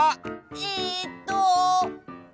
えっと。